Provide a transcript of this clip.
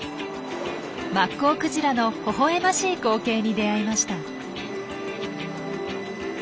マッコウクジラのほほえましい光景に出会いました。